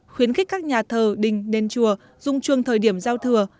khuyến khích các nhà thờ đình đền chùa dung chuông thời điểm giao thừa